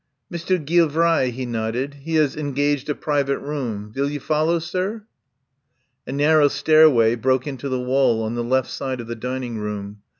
"Mr. Geelvrai," he nodded. "He has en gaged a private room. Vill you follow, sir?" A narrow stairway broke into the wall on the left side of the dining room.